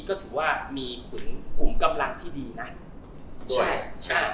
ก็ถือว่ามีคุณกลุ่มกำลังที่ดีนั้น